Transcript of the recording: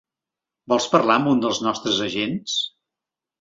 Vols parlar amb un dels nostres agents?